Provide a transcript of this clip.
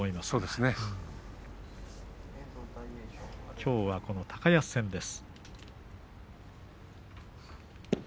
きょうはこの高安戦です。